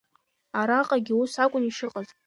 Араҟагьы ус акәын ишыҟаз…